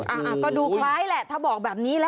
อ่ะก็ดูคล้ายแหละถ้าบอกแบบนี้แล้ว